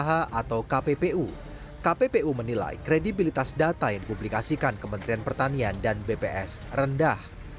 kepada kementerian perdagangan indonesia kementerian perdagangan indonesia menilai kredibilitas data yang dikublikasikan kementerian pertanian dan bps rendah